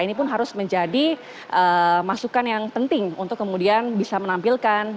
ini pun harus menjadi masukan yang penting untuk kemudian bisa menampilkan